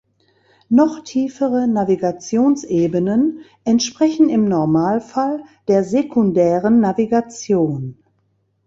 Noch tiefere Navigationsebenen entsprechen im Normalfall der sekundären Navigation.